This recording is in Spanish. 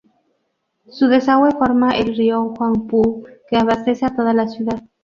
Su desagüe forma el Río Huangpu que abastece a toda la ciudad.